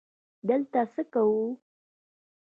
_دلته څه کوو؟